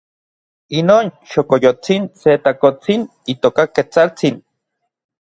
inon xokoyotsin se takotsin itoka Ketsaltsin.